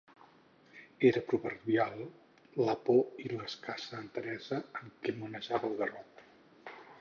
Era proverbial la por i l'escassa enteresa amb què manejava el garrot.